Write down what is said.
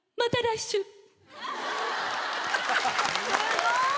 すごーい！